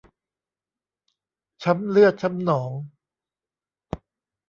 ช้ำเลือดช้ำหนอง